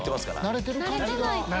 慣れてる感じが。